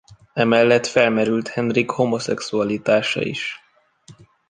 Emellett felmerült Henrik homoszexualitása is.